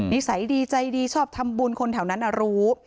นิสัยดีใจดีชอบทำบุญคนแถวนั้นรู้